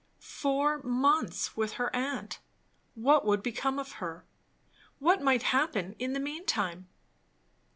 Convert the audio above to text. Four months with her aunt! What would become of her? What might happen in the mean time?